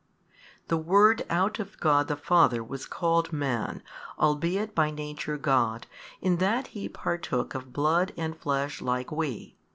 The Word out of God the Father was called Man, albeit by Nature God, in that He partook of blood and flesh like we.